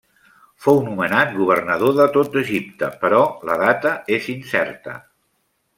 Fou nomenat governador de tot Egipte però la data és incerta.